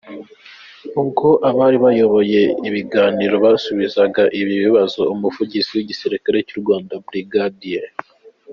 Ubwo abari bayoboye ikiganiro basubizaga ibi bibazo, Umuvugizi w’Igisirikare cy’u Rwanda Bg.